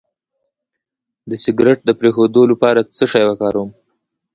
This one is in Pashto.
د سګرټ د پرېښودو لپاره څه شی وکاروم؟